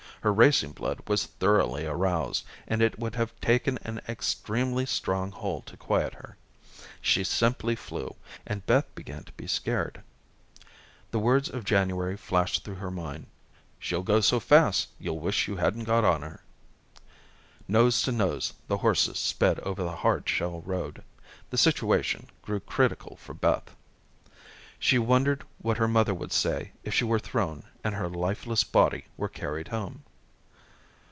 Her racing blood was thoroughly aroused, and it would have taken an extremely strong hold to quiet her. She simply flew, and Beth began to be scared. The words of January flashed through her mind: "She'll go so fast, you'll wish you hadn't got on her." Nose to nose the horses sped over the hard shell road. The situation grew critical for Beth. She wondered what her mother would say if she were thrown and her lifeless body were carried home.